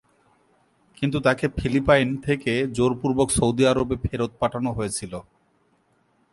কিন্তু তাকে ফিলিপাইন থেকে জোরপূর্বক সৌদি আরবে ফেরত পাঠানো হয়েছিল।